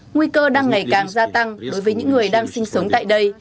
nguy cơ đang ngày càng gia tăng đối với những người đang sinh sống tại đây